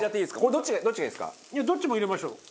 どっちも入れましょう。